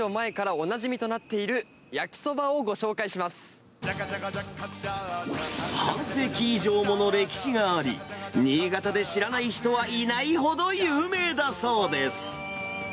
慎が、新潟で５０年以上前からおなじみとなっている焼きそばをご紹介し半世紀以上もの歴史があり、新潟で知らない人はいないほど有名だそうです。